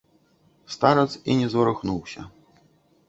Старац і не зварухнуўся.